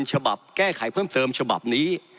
ฉบับแก้ไขเพิ่มเติมฉบับนี้